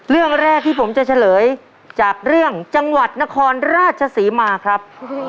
เรื่องแรกที่ผมจะเฉลยจากเรื่องจังหวัดนครราชศรีมาครับ